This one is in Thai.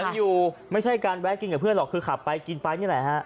มันอยู่ไม่ใช่การแวะกินกับเพื่อนหรอกคือขับไปกินไปนี่แหละฮะ